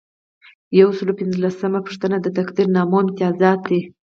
یو سل او پنځلسمه پوښتنه د تقدیرنامو امتیازات دي.